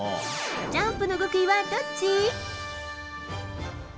ジャンプの極意はどっち？